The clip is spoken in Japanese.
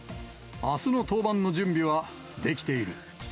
あすの登板の準備はできている。